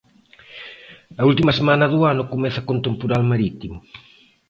A última semana do ano comeza con temporal marítimo.